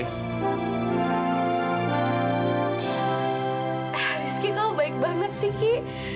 rizky kamu baik banget sih ki